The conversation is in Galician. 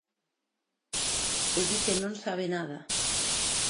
E di que non sabe nada.